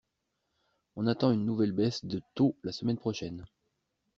On attend une nouvelle baisse de taux la semaine prochaine.